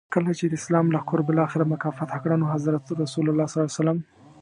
کله چي د اسلام لښکرو بالاخره مکه فتح کړه نو حضرت رسول ص.